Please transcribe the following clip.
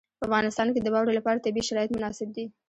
په افغانستان کې د واوره لپاره طبیعي شرایط مناسب دي.